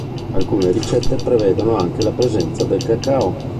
Alcune ricette prevedono anche la presenza del cacao.